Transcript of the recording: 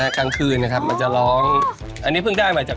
กลางคื่นมันจะมีเสียงแบบ